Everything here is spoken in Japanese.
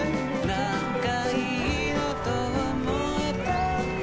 なんかいいなと思えたんだ